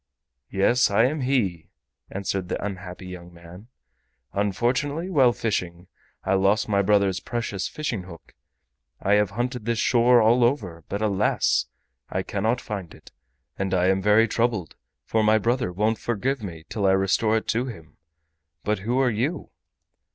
"Yes, I am he," answered the unhappy young man. "Unfortunately, while fishing I lost my brother's precious fishing hook. I have hunted this shore all over, but alas! I cannot find it, and I am very troubled, for my brother won't forgive me till I restore it to him. But who are you?"